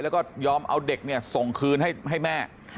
แล้วก็ยอมเอาเด็กเนี่ยส่งคืนให้แม่